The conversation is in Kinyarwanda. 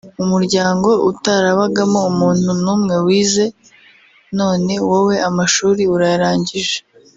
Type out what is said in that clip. umuryango utarabagamo umuntu n’umwe wize none wowe amashuri urayarangije